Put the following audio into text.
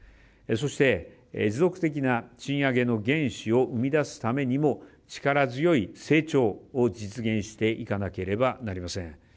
そして、持続的な賃上げの原資を生み出すためにも力強い成長を実現していかなければなりません。